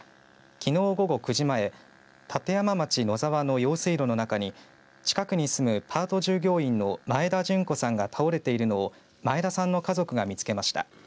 きのう午後９時前立山町野沢の用水路の中に近くに住むパート従業員の前田順子さんが倒れているのを前田さんの家族が見つけました。